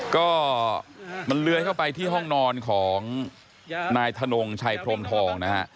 ก็มันเลื้อยเข้าไปที่ห้องนอนของนายถนงชัยพรมทองนะฮะ